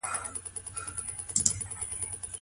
ولي محنتي ځوان د تکړه سړي په پرتله لوړ مقام نیسي؟